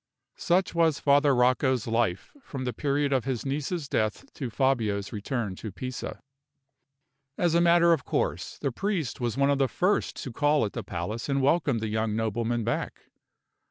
Such was Father Rocco's life from the period of his niece's death to Fabio's return to Pisa. As a matter of course, the priest was one of the first to call at the palace and welcome the young nobleman back.